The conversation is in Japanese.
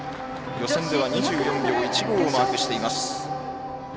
予選では２４秒１５をマークしています。